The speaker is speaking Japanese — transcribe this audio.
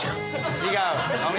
違う？